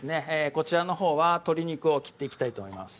こちらのほうは鶏肉を切っていきたいと思います